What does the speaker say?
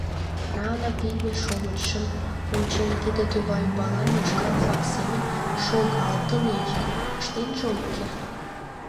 Рана пидме шовычшым рончен, тиде тӧва ӱмбалан йошкар флаг семын шогалтынеже, ыштенже ок керт.